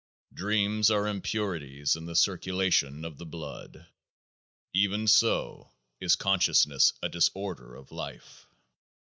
Dreams are impurities in the circulation of the blood ; even so is consciousness a disorder of life.